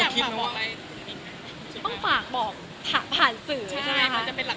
ต้องฝากบอกหากผ่านสื่ออะไรนะ